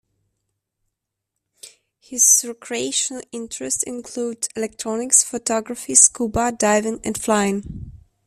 His recreational interests include electronics, photography, scuba diving, and flying.